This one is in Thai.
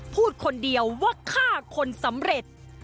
พูดคนเดียวว่าฆ่าคนสำเร็จ